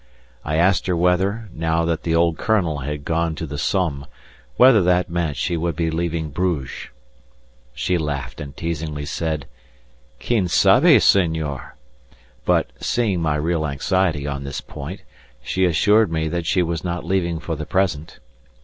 I asked her whether, now that the old Colonel had gone to the Somme, whether that meant that she would be leaving Bruges. She laughed and teasingly said: "Quien sabe, señor," but seeing my real anxiety on this point, she assured me that she was not leaving for the present.